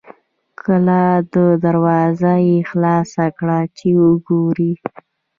کلا دروازه یې خلاصه کړه چې وګوري.